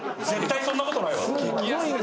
絶対そんなことないわ。